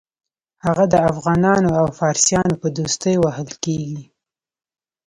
هغه د افغانانو او فارسیانو په دوستۍ وهل کېږي.